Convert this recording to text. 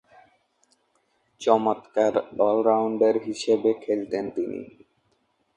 চমৎকার অল-রাউন্ডার হিসেবে খেলতেন তিনি।